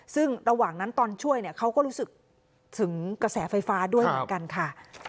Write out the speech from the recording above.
ซึ่งระหว่างนั้นตอนช่วยเนี่ยเขาก็รู้สึกถึงกระแสไฟฟ้าด้วยเหมือนกันค่ะ